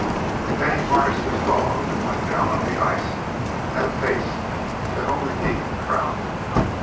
Then he harnessed his dogs and went down on the ice at a pace that only he could travel.